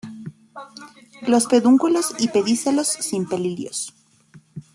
Los pedúnculos y pedicelos sin pelillos.